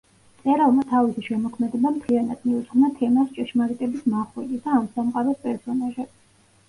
მწერალმა თავისი შემოქმედება მთლიანად მიუძღვნა თემას „ჭეშმარიტების მახვილი“ და ამ სამყაროს პერსონაჟებს.